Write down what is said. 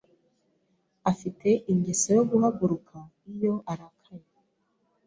Afite ingeso yo guhaguruka iyo arakaye.